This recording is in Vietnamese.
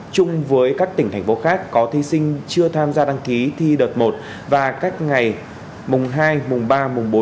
chung với các tỉnh thành phố khác có thi sinh chưa tham gia đăng ký thi đợt một và các ngày mùng hai mùng ba mùng bốn